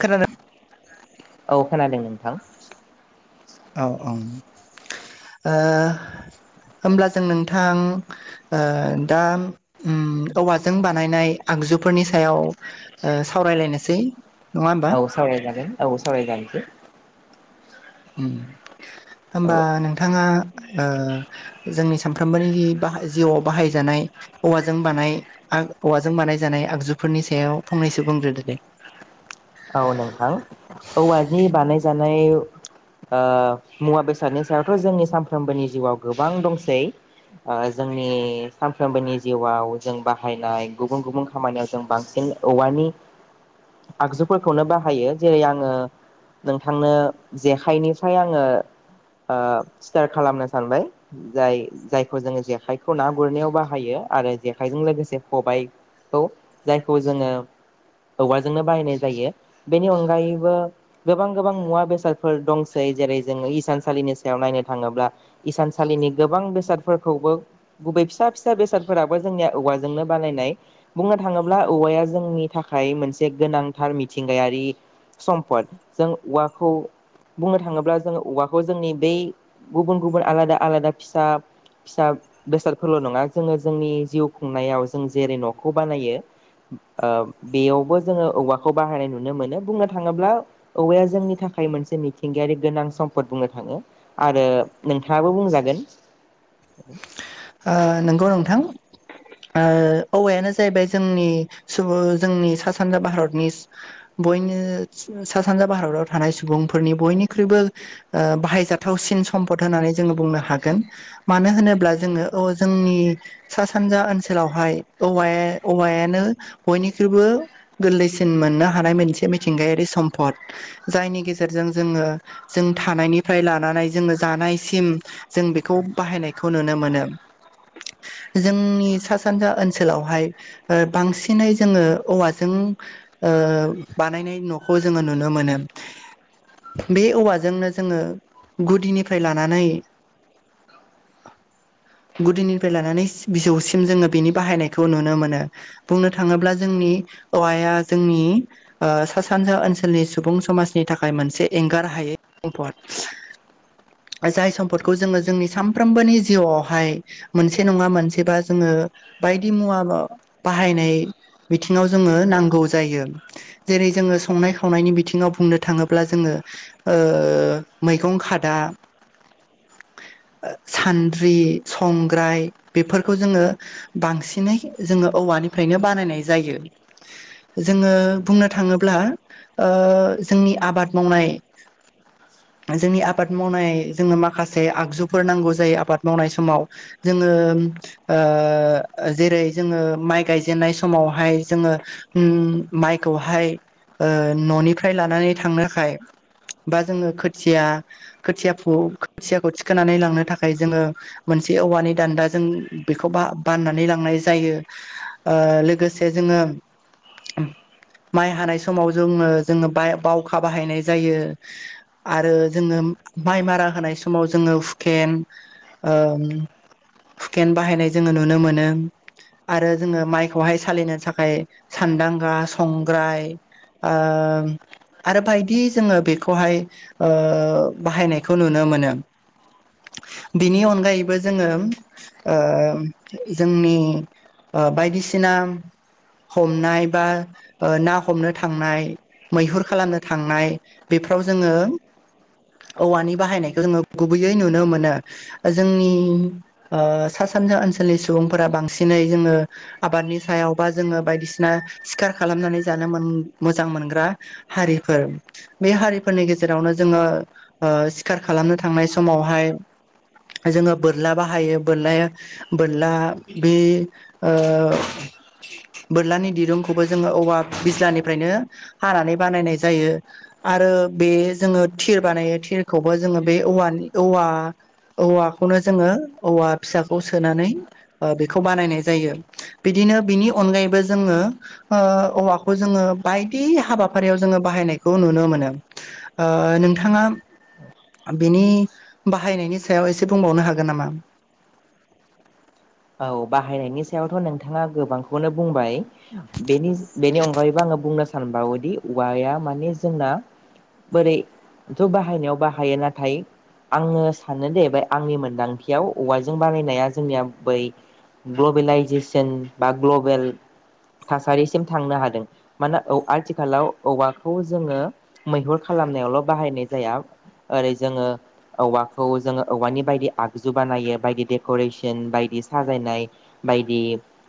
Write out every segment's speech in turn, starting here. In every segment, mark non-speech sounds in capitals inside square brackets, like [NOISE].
खोनादों औ खोनादों नोंथां औ औ ओ होमब्ला जों नोंथां ओ दा ओम औवाजों बानायनाय आगजुफोरनि सायाव ओ सावरायलायनोसै नङा होमबा औ सावराय जागोन औ सवराय जागोन। उम औ होमबा नोंथाङा ओ जोंनि ओ सानफ्रोमबोनि जिउआव बाहायजानाय औवाजों बानाय आग औवाजों बानाय जानाय आगजुफोरनि सायाव फंनैसो बुंग्रोदो दे [INAUDIBLE] औ नोंथां औवानि बानायजानाय ओ मुवा बेसादनि सायावथ' जोंनि सानफ्रोमबोनि जिउआव गोबां दंसै आओ जोंनि सानफ्रोमबोनि जिउआव जों बाहायनाय गुबुन गुबुन खामानियाव जों बांसिन औवानि आगजु फोरखौनो बाहायो जेरै आंङो नोंथांनो जेखाइनिफ्राय आंङो आ स्टार्ट खालामनो सानबाय जाय जायखौ जोंङो जेखायखौ ना गुरनायाव बाहायो। आरो जेखायजों लोगोसे खबायाइखौ जायखौ जोंङो औवाजोंनो बायनाय जायो बेनि अनगायैबो गोबां गोबां मुवा बेसादफोर दंसै जेरै जों इसानसालि नि सायाव नायनो थांङोब्ला इसानसालिनि गोबां बेसादफोरखौबो गुबै फिसा फिसा बेसादफोरा थेबो जोंनिया औवाजोंनो बानायनाय बुंनो थाङोब्ला औवाया जोंनि थाखाय मोनसे गोनां थार मिथिंगायारि सम्पद जों औवाखौ बुंनो थाङोब्ला जोंङो औवाखौ जोंनि बै गुबुन गुबुन आलादा आलादा फिसा फिसा बेसादखौल' नङा जोंङो जोंनि जिउ खुंनायाव जों जेरै न'खौ बानायो ओ बेयावबो जोंङो औवा खौ बाहायनाय नुनो मोनो बुंनो थाङोब्ला औवाया जोंनि थाखाय मोनसे मिथिंगायारि गोनां सम्फद बुंनो थांङो। आरो नोंथाङाबो बुंजागोन। ओ नंगौ नोंथां ओ औवायानो जाहैबाय जोंनि सुबुं जोंनि सा सानजा भारतनि बयनो सा सानजा भारताव थानाय सुबुंफोरनि बयनिख्रुइबो ओ बाहायजाथावसिन सम्फद होननानै जोंङो बुंनो हागोन मानो होनोब्ला जोंङो अ जोंनि सा सानजा ओनसोलावहाय औवा औवायानो बयनिख्रुइबो गो गोरलैसिन मोननो हानाय मोनसे मिथिंगायारि सम्पद जायनि गेजेरजों जोंङो जों थानायनिफ्राय लानानै जोंङो जानायसिम जों बेखौ बाहायनायखौ नुनो मोनो [UNINTELLIGIBLE] जोंनि सा सानजा ओनसोलावहाय ओ बांसिनै जोंङो औवाजों ओ बानायनाय न'खौ जोंङो नुनो मोनो। बे औवाजोंनो जोंङो गुदिनिफ्राय लानानै [INAUDIBLE] गुदिनिफ्राय लानानै बिजौसिम जोङो बिनि बाहायनायखौ नुनो मोनो बुंनो थाङोब्ला जोंनि औवाया जोंनि ओ सा सानजा ओनसोलनि सुबुं समाजनि थाखाय मोनसे एंगार हायै सम्पद जाय सम्पदखौ जोङो जोंनि सानफ्रोमबोनि जिउआवहाय मोनसे नङा मोनसेबा जोङो बायदि मुवा बाहायनाय बिथिङाव जोङो नांगौ जायो जेरै जोङो संनाय खावनायनि बिथिङाव बुंनो थाङोब्ला जोङो ओ मैगं खादा सानद्रि संग्राय बेफोरखौ जोङो बांसिनै जोङो औवानिफ्रायनो बानायनाय जायो। जोङो बुंनो थाङोब्ला ओ जोंनि आबाद मावनाय। जोंनि आबाद मावनाय जोंनो माखासे आगजुफोर नांगौ जायो आबाद मावनाय सम समाव जोङो ओ जेरै जोङो माइ गायजेननाय समावहाय जोङो ओम माइखौहाय ओ न'निफ्राय लानानै थांनोखाय बा जोङो खोथिया खोथिया फु खोथियाखौ थिखांनानै लांनो थाखाय जोङो मोनसे औवानि दान्दा जों बेखौ बा बाननानै लांनाय जायो ओ लोगोसे जों ङो माइ हानाय समाव जोङो जोङो बाय बावखा बाहायनाय जायो आरो जोङो माइ मारा होनाय समाव जोङो हुकेन ओ हुकेन बाहायनाय जोङो नुनो मोनो आरो जोङो माइखौहाय सालिनो थाखाय सानदांगा संग्राय ओ आरो बायदि जोङो बेखौहाय ओ बाहायनायखौ नुनो मोनो। बिनि अनगायैबो जोङो ओ जोंनि ओ बायदिसिना हमनाय बा ओ ना हमनो थांनाय। मैहुर खालामनो थांनाय बेफोराव जोङो औवानि बाहायनायखौ जोङो गुबैयै नुनो मोनो। जोंनि ओ सा सानजा ओनसोलनि सुबुंफोरा बांसिनै जोङो आबाद। नि सायावबा जोङो बायदिसिना सिखार खालामनानै जानो मोजां मोनग्रा हारिफोर बे हारिफोरनि गेजेरावनो जोङो ओ सिखार खालामनो थांनाय समावहाय जोङो बोरला बाहायो बोरलाया बोरला बे ओ बोरलानि दिरुंखौबो जोङो औवा बिज्लानिफ्रायनो हानानै बानायनाय जायो। आरो बे जोङो थिर बानायो थिरखौबो जोङो बे औवानि औवा औवाखौनो जोङो औवा फिसाखौ सोनानै ओ बेखौ बानायनाय जायो बिदिनो बिनि अनगायैबो जोङो ओ औवाखौ जोङो बायदि हाबाफारियाव जोङो बाहायनायखौ नुनो मोनो ओ नोंथाङा बिनि बाहायनायनि सायाव एसे बुंबावनो हागोन नामा। औ बाहायनायनि सायावथ' नोंथाङा गोबांखौनो बुंबाय बेनि बेनि अनगायैबो आं आङो बुंनो सानबावोदि औवाया माने जोंना बोरैथ' बाहायनायाव बाहायो नाथाय आङो सानो दे बे आंनि मोनदांथियाव औवाजों बानायनाया जोंनिया बै ग्लबेलाइजेसन बा ग्लबेल थासारिसिम थांनो हादों माना औ आथिखालाव औवाखौ जोङो मैहुर खालाम खालामनायावल' बाहायनाय जाया ओरै जोङो औवाखौ जोङो औवानि बायदि आगजु बानायो बायदि देक'रेसन बायदि साजायनाय बायदि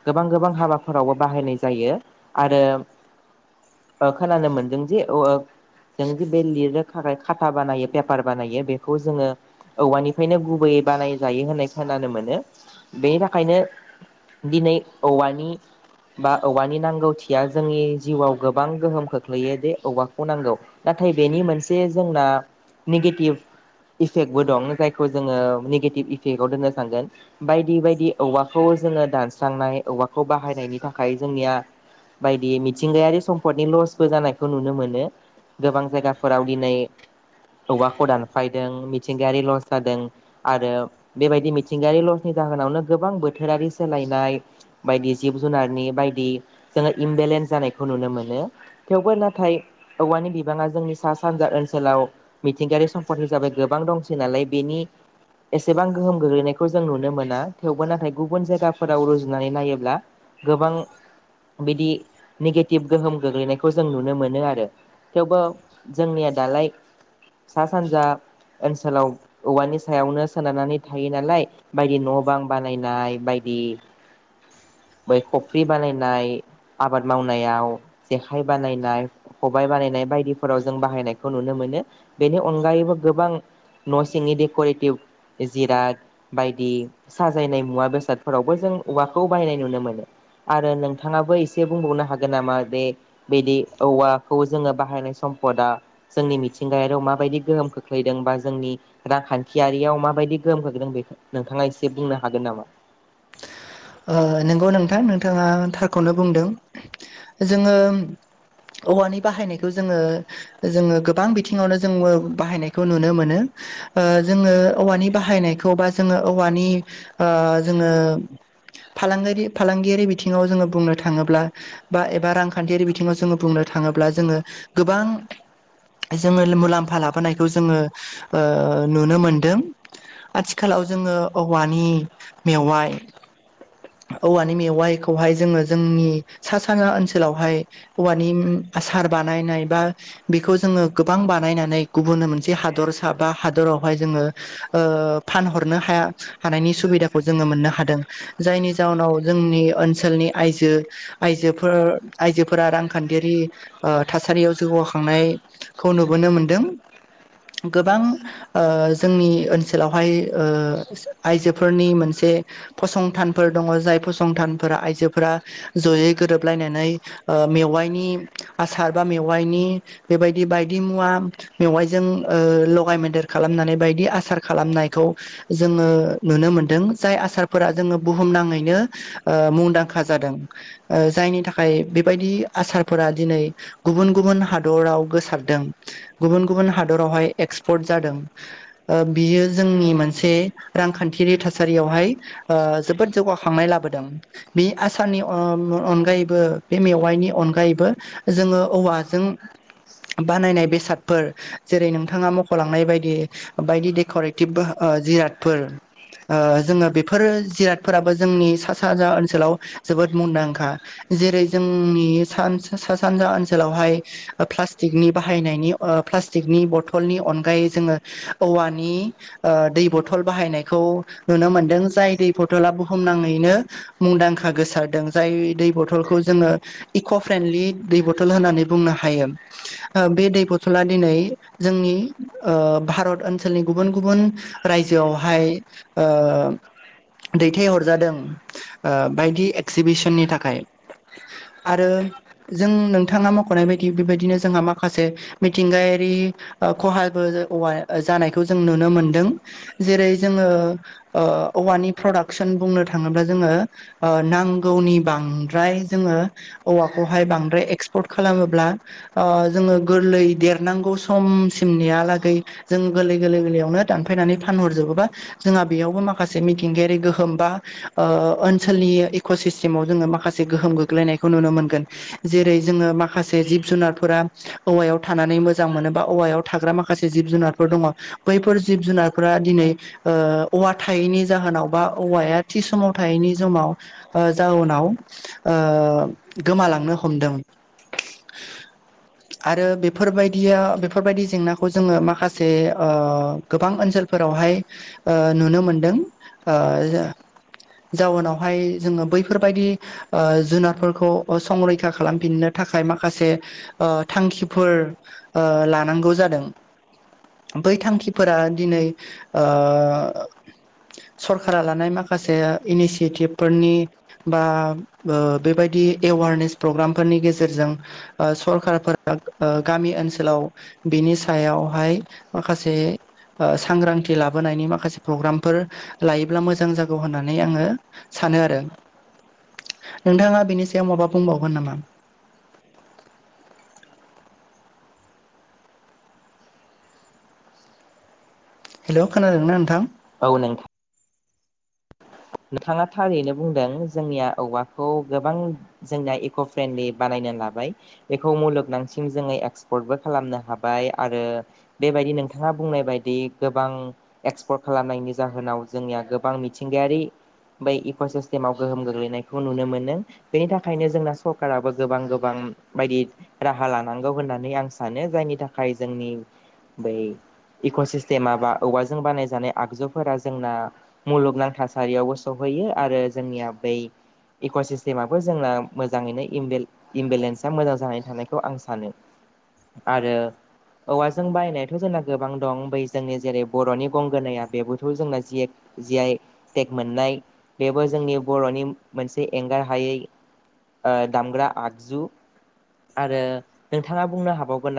गोबां गोबां हाबाफोरावबो बाहायनाय जायो आरो [UNINTELLIGIBLE] ओ खोनानो मोनदों जे [UNINTELLIGIBLE] जों जे बे लिरनो थाखाय खाथा बानायो पेपार बानायो बेखौ जोङो औवानिफ्रायनो गुबैयै बानाय जायो होननाय खोनानो मोनो बेनि थाखायनो दिनै औवानि बा औवानि नांगौथिया जोंनि जिउआव गोबां गोहोम खोख्लैयो जे औवाखौ नांगौ नाथाय नाथाय बेनि मोनसे जोंना निगेटिभ इफेक्ट बबो दं जायखौ जोङो नेगेटिभ इफेक्टआव दोननो सानोन बाय बायदि बायदि औवाखौ जोङो दानस्रांनाय औवाखौ बाहायनायनि थाखाय जोंनिया बायदि मिथिंगायारि सम्पदनि लसबो जानायखौ नुनो मोनो गोबां जायगाफोराव दिनै औवाखौ दानफायदों मिथिंगायारि लस जादों आरो बेबायदि मिथिंगायारि लस नि जाहोनावनो गोबां बोथोरारि सोलायनाय बायदि जिब जुनारनि बायदि जोङो चेलेन् जानायखौ नुनो मोनो थेवबो नाथाय औवानि बिबाङा जोंनि सा सानजा ओनसोलाव मिथिंगायारि सम्पद हिसाबै गोबां दंसै नालाय बेनि एसेबां गोहोम गोग्लैनायखौ जों नुनो मोना थेवबो नाथाय गुबुन जायगाफोराव रुजुनानै नायोब्ला गोबां बिदि नेगेटिभ गोहोम गोग्लैनायखौ जों नुनो मोनो आरो थेवबो जोंनिया दालाय सा सानजा ओनसोलाव औवानि सायावनो सोनारनानै थायो नालाय बायदि न' बां बानायनाय बायदि बै खफ्रि बानायनाय आबाद मावनायाव जेखाइ बानायनाय खबाइ बानायनाय बायदिफोराव जों बाहायनायखौ नुनो मोनो मोनो बेनि अनगायैबो गोबां न' सिंनि डेक'रेटिभ जिराद बायदि साजायनाय मुवा बेसादफोरावबो जों औवाखौ बायनाय नुनो मोनो आरो नोंथाङाबो एसे बुंबावनो हागोन नामा बेे बिदि औवाखौ जोङो बाहायनाय सम जोंनि मिथिंगारि माबायदि गोहोम खोख्लैदों बा जोंनि रांखान्थियारियाव मा बायदि गोहोम खोख्लैदों बेखौ नोंथाङा एसे बुंनो हागोन नामा नंगौ नोंथां नोंथाङा थारखौनो बुंदों जोङो औवानि बाहायनायखौ जोङो जोङो गोबां बिथिङावनो जों बाहायनायखौ नुनो मोनो जोङो औवानि बाहायनायखौ बा जोङो औवानि जोङो फालांगि फालांगियारि बिथिङाव जोङो बुंनो थाङोब्ला बा एबा रांखान्थियारि बिथिङाव जोङो बुं बुंनो थाङोब्ला जोङो गोबां जोङो मुलाम्फा लाबोनायखौ जोङो ओ नुनो मोनदों। आथिखालाव जोङो औवानि मेवाइ औवानि मेवाइखौहाय जोङो जोंनि सा साना ओनसोलावहाय औवानि आसार बानायनाय बा बेखौ जोङो गोबां बानायनानै गुबुननो मोनसे हादरसा बा हादरावहाय जों ओ फानहरनो हानायनि सुबिदाखौ जोङो मोननो हादों। जायनि जााहोनाव जोंनि ओनसोलनि आइजो आइजोफोर आइजोफोरा रांखान्थियारि ओ थासारियाव जौगाखांनायखौ नुबोनो मोन्दों। गोबां ओ जोंनि ओनसोलावहाय ओ आइजोफोरनि मोनसे बे फसंथान फोर दङ जाय फसंथानफोरा आइजोफोरा जयै गोरोबलायनानै ओ मेवाइनि आसार बा मेवाइनि बेबायदि बायदि मुवा मेवाइजों ओ लगाय मोनदेरखा खालामनानै बायदि आसार खालामनायखौ जोङो नुनो मोनदों जाय आसारफोरा जोङो। बुहुमनााङैनो ओ मुंदांखा जादों जायनि थाखाय बेबायदि आसारफोरा दिनै गुबुन गुबुन हादराव गोसारदों गुबुन गुबुन हादरावहाय एक्सपर्ट जादों। ओ बियो जोंनि मोनसे रांखान्थिारि थासारियावहाय ओ जोबोद जौगाखांनाय लाबोदों बे आसारनि अनगायैबो बे मेवाइनि अनगायैबो जोङो औवाजों बानायनाय बेसादफोर जेरै नोंथाङा मख'लांनाय बायदि बायदि देक'रेटिभ जिरादफोर जोङो बेफोरो जिराद फोराबो जोंनि सा सानजा ओनसोलाव जोबोद मुंदांखा जेरै जोंनि सा सा सानजा ओनोलावहा फ्लासथिक बाहायनि ओ फ्लाथिकनि बथलनि अनायै जों औवानि ओ दै बथल बाहायखौ नुनो मोनदों जाय दै थला बुहुमनाङैनो मुंदांखा गोसारदों जाय दै बथलखौ जोङो इक' फ्रेन्द बथ होननानै बुंनो हायो ओ बे बथला दिनै जोंनि ओ भारत ओनसोलनि गुबुन गुबुन रायजोआवहाय ओ दैथायहरजादों ओ बायदि एक्जिबिसननि थाखाय। आरो जों नोंथाङा मख'नाय बायदि बेबायदिनो जोंहा माखासे मिथिंगायारि। खहाबो जानायखौ जों नुनो मोनदों जेरै जोङो ओ औवानि प्रडाक्सन बुंनो थाङोब्ला जोङो ओ नांगौनि बांद्राय जोङो औवाखौ खौहाय बांद्राय एक्सप खालामोब्ला ओ जोङो गोरलै देरनांगौनि समसिम नेआ हालागै जों गोरलै गोरलैआवनो दानफायनानै फानहरजोबोबा जोंहा बेयाव माखासे मि थिंगायारि गोहोम बा ओ ओनसोलनि इक' सिस्टेमाव जोङो माखासे गोहोम गोग्लैनायखौ नुनो मोनो। जेरै जोङो माखासे जिब जुनारफोरा औवायाव थानानै मोजां मोना औवायाव था माखासे जिब जुनारफो दंङ बैफोर जिब जुनारफोरा दिनै ओ औवा थायैनि जाहोनाव बा औवाया थि समाव थायैनि समाव ओ जाउनाव ओ गोमालांनो हमदों। आरो बेफोरबायदिया बेफोरबायदि जेंनाखौ जोङो माखासे ओ गोबां ओनसोलाव फोरावहाय ओ नुनो मोन्दों। जाउनावहाय जोङो बैफोरबायदि ओ जुनारफोरखौ संरैखा खालामफिननो। थाखाय माखासे ओ थांखिफोर ओ लानांगौ जादों। बै थांखिफोरा दिनै ओ सरकारा लानाय माखासे इनिसियेटिभफोरनि बा बेबायदि एवारनेस प्रग्रामफोरनि गेजेरजों सरखारफोरा गामि ओनसोलाव बिनि सायावहाय माखासे ओ सांग्रांथि लाबोनायनि माखासे प्रग्राम। फोर लायोब्ला मोजां जागौ होननानै आङो सानो आरो। नोंथाङा बिनि सायाव माबा बुंबावगोन नामा? हेल' खोनादोंना नोंथां । औ नोंथां नोंथाङा थारैनो बुंदों जोंनिया औवाखौ गोबां जोंनिया इक' फ्रेन्डनि बानायनाय गियान लाबाय बेखौ मुलनांसिम जोङो एक्सपर्टबो खालामनो हाबाय आरो बेबायदिनो नोंथाङा बुंनाय बायदि गोबां एक्सपर्ट खालामनायनि जाहोनाव जोंनिया गोबां मिथिंगायारि बै इक' सेस्टिमाव गोहोम गोग्लैनायखौ नुनो मोनो बेनि थाखायनो जोंना सरकाराबो गोबां गोब गोबां बायदि राहा लानांगौ होननानै आं सानो जायनि थाखाय जोंनि बै इक'सिस्टेम बा औवाजों बानायजानाय आगजुफोरा जोंना मुलुगनांथास सारियावबो सहैयो आरो जोंनिया बै इक' सिस्टेमाबो जोंना मोजाङैनो इमबेल इमबेलेन्सा मोजां जानानै थानायखौ आं सानो आरो औवाजों बायनायथ' जोंना गोबां दं बै जोंनि जेरै बर'नि गंगोनाया बेबोथ' जोंना जियेक जि याइ टेक मोननाय बेबो जोंनि बर'नि मोनसे एंगार हायै ओ दामग्रा आगजु आरो नोंथाङा बुंनो हाबावगोन ना